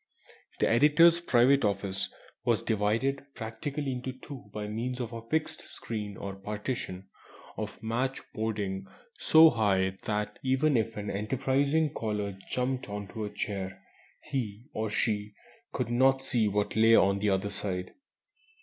The editor's private office was divided practically into two by means of a fixed screen or partition of match boarding so high that even if an enterprising caller jumped on to a chair he (or she) could not see what lay on the other side.